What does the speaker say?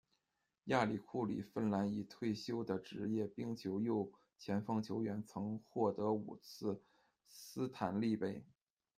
亚里·库里，芬兰已退休的职业冰球右前锋球员，曾获得五次斯坦利杯。